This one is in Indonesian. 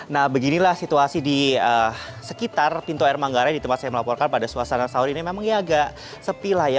nah beginilah situasi di sekitar pintu air manggarai di tempat saya melaporkan pada suasana sahur ini memang ini agak sepi lah ya